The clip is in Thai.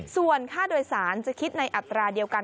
ส่วนค่าโดยสารจะคิดในอัตราเดียวกัน